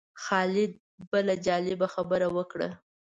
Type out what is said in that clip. خالد بله جالبه خبره وکړه.